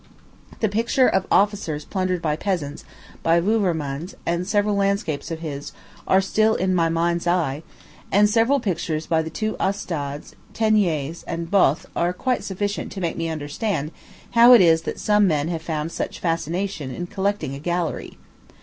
The picture of Officers plundered by Peasants, by Wouvermans, and several landscapes of his, are still in my mind's eye; and several pictures by the two Ostades, Teniers, and Both are quite sufficient to make me understand how it is that some men have found such fascination in collecting a gallery.